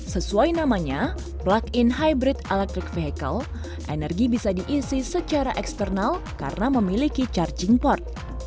sesuai namanya plug in hybrid electric vehicle energi bisa diisi secara eksternal karena memiliki charging port